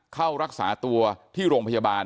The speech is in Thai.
เข้ารักษาตัวที่โรงพยาบาล